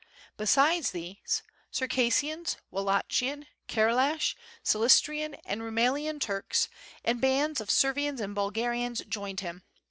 Besides these, Circasssians, Wal lachian, Karalash, Silistrian, and Rumelian Turks, and bands of Servians and Bulgarians joined him.